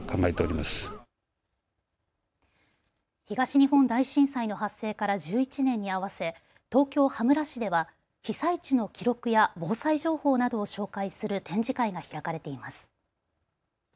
東日本大震災の発生から１１年に合わせ東京羽村市では被災地の記録や防災情報などを紹介する展示会が開かれています。